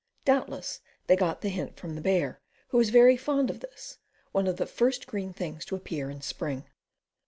Doubtless they got the hint from the bear, who is very fond of this, one of the first green things to appear in spring.